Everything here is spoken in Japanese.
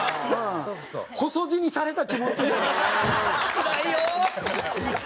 つらいよ！